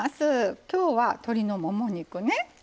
今日は鶏のもも肉ね。